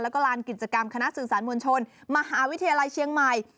แล้วก็ลานกิจกรรมคณะสื่อสารมวลชนมหาวิทยาลัยเชียงใหม่